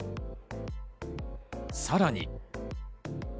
さらに。